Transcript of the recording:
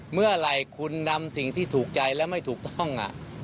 เมื่อไหร่คุณนำสิ่งที่ถูกใจและไม่ถูกต้อง